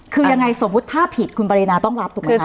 คือยังไงสมมุติถ้าผิดคุณปรินาต้องรับถูกไหมคะ